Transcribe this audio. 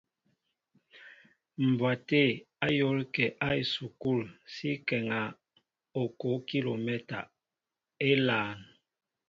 Mbwaté a yól kέ a esukul si ŋkέŋa okoʼo kilomɛta élāān.